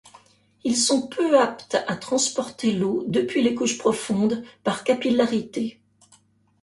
Ils sont peu aptes à transporter l'eau depuis les couches profondes par capillarité.